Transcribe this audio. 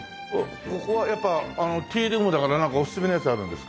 ここはやっぱティールームだからなんかおすすめのやつあるんですか？